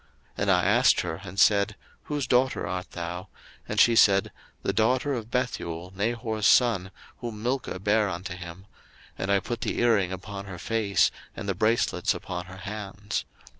01:024:047 And I asked her, and said, Whose daughter art thou? And she said, the daughter of Bethuel, Nahor's son, whom Milcah bare unto him: and I put the earring upon her face, and the bracelets upon her hands.